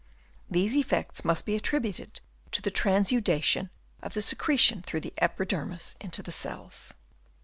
These effects must be attributed to the trans udation of the secretion through the epidermis into the cells.